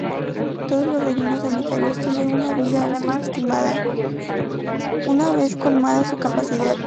Todos los Rellenos Sanitarios tendrían una vida útil estimada, una vez colmada su capacidad.